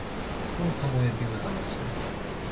"Pulsa moje biły za mocno."